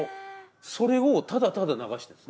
それをただただ流してるんです。